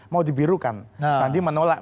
mau dibirukan sandi menolak